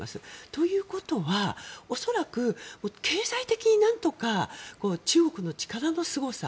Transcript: ということは恐らく経済的に、なんとか中国の力のすごさ